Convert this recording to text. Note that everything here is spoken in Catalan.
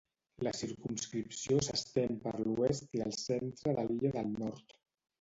La circumscripció s'estén per l'oest i el centre de l'illa del Nord.